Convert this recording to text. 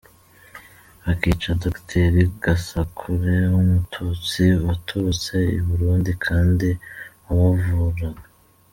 Bakica Docteur Gasakure w’umututsi waturutse i Burundi kandi wabavuraga.